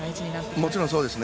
もちろんそうですね。